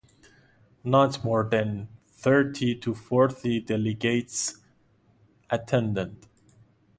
Not more than thirty to forty delegates attended.